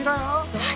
はい。